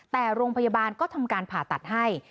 แต่โรงพยาบาลก็ทำการผ่าตัดให้